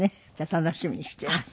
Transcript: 楽しみにしていますよ。